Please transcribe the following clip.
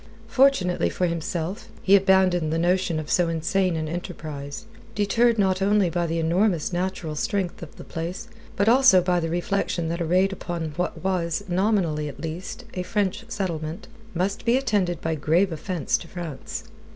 Fortunately for himself, he abandoned the notion of so insane an enterprise, deterred not only by the enormous natural strength of the place, but also by the reflection that a raid upon what was, nominally at least, a French settlement, must be attended by grave offence to France.